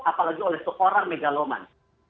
apalagi oleh seorang megaloman